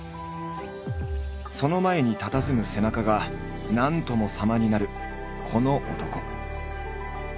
その前にたたずむ背中が何とも様になるこの男。